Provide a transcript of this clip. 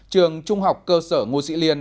trường trung học cơ sở nguồn sĩ liên